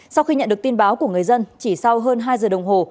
sau khi nhận được tin báo của người dân chỉ sau hơn hai giờ đồng hồ